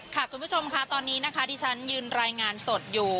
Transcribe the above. คุณผู้ชมค่ะตอนนี้นะคะที่ฉันยืนรายงานสดอยู่